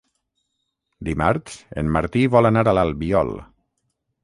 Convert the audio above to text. Dimarts en Martí vol anar a l'Albiol.